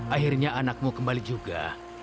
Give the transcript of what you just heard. akhirnya anakmu kembali juga